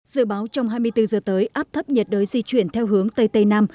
dự báo trong hai mươi bốn giờ tới áp thấp nhiệt đới di chuyển theo hướng tây tây nam